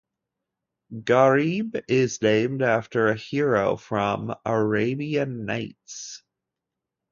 Gharib is named after a hero from "Arabian Nights".